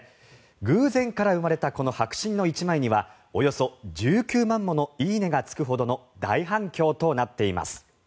偶然から生まれたこの迫真の１枚にはおよそ１９万もの「いいね」がつくほどの大反響となっています。